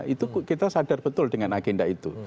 itu kita sadar betul dengan agenda itu